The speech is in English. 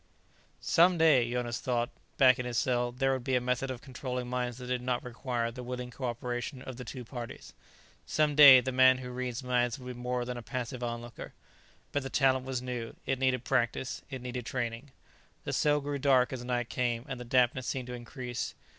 Some day, Jonas thought, back in his cell, there would be a method of controlling minds that did not require the willing co operation of the two parties. Some day the man who reads minds would be more than a passive onlooker. But the talent was new; it needed practice, it needed training. The cell grew dark as night came, and the dampness seemed to increase.